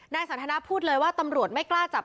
ท่านสัตว์ธนาฬิกาพูดเลยว่าตำรวจไม่กล้าจับสมชาย